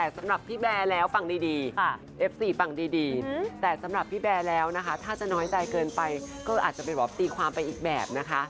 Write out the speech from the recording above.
สำหรับพี่แบร์แล้วฟังดีเอฟซีฟังดีแต่สำหรับพี่แบร์แล้วนะคะถ้าจะน้อยใจเกินไปก็อาจจะเป็นแบบตีความไปอีกแบบนะคะ